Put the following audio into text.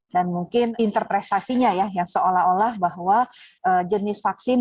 dan mungkin interpretasinya ya yang seolah olah bahwa jenis vaksin